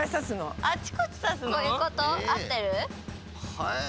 へえ。